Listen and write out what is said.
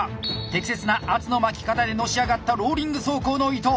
適切な圧の巻き方でのし上がったローリング走行の伊藤。